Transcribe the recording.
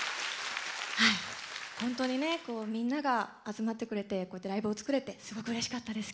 本当にみんなが集まってくれてこうやってライブを作れてすごくうれしかったです。